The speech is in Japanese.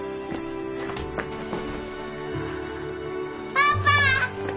パパ！